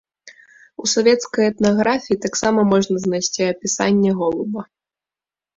У савецкай этнаграфіі таксама можна знайсці апісанне голуба.